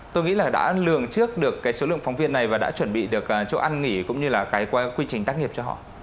tôi nghĩ là đã lường trước được cái số lượng phóng viên này và đã chuẩn bị được chỗ ăn nghỉ cũng như là cái quy trình tác nghiệp cho họ